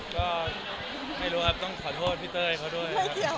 ก็ไม่รู้ครับต้องขอโทษพี่เต้ยเขาด้วยครับ